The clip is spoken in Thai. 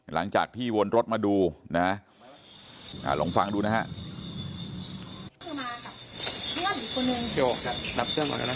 หลังจากพี่วนรถมาดูนะลองฟังดูนะฮะ